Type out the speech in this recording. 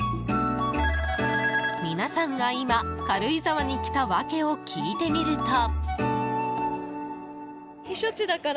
皆さんが今、軽井沢に来た訳を聞いてみると。